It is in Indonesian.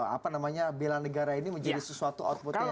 apa namanya bela negara ini menjadi sesuatu output yang bagus